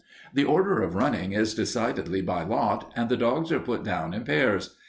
"The order of running is decided by lot, and the dogs are put down in pairs.